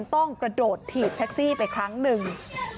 แต่แท็กซี่เขาก็บอกว่าแท็กซี่ควรจะถอยควรจะหลบหน่อยเพราะเก่งเทาเนี่ยเลยไปเต็มคันแล้ว